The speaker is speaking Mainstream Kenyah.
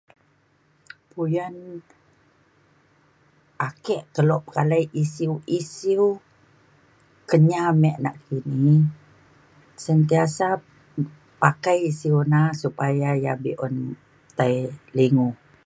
puyan ake kelo pekalai isiu isiu Kenyah me nakini sentiasa pakai isiu na supaya ia' be'un tai lingo